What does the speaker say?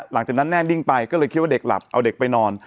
หลังจากนั้นแน่นิ่งไปก็เลยคิดว่าเด็กหลับเอาเด็กไปนอน